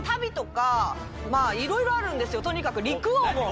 とにかく『陸王』も。